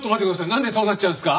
なんでそうなっちゃうんすか？